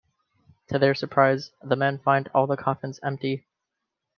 To their surprise, the men find all the coffins empty.